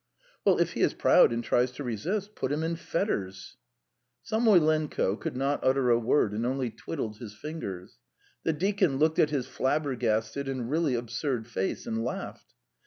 "Well, if he is proud and tries to resist, put him in fetters!" Samoylenko could not utter a word, and only twiddled his fingers; the deacon looked at his flabbergasted and really absurd face, and laughed.